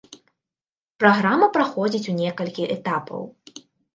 Праграма праходзіць у некалькі этапаў.